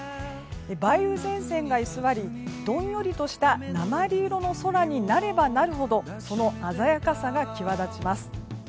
梅雨前線が居座りどんよりとした鉛色の空になればなるほどその鮮やかさが際立ちます。